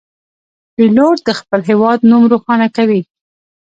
پیلوټ د خپل هیواد نوم روښانه کوي.